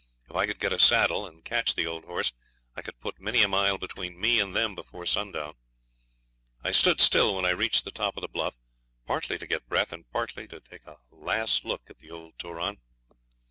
If I could get a saddle and catch the old horse I could put many a mile between me and them before sundown. I stood still when I reached the top of the bluff, partly to get breath and partly to take a last look at old Turon.